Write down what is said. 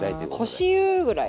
腰湯ぐらいかな。